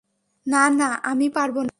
না, না, আমি পারব না।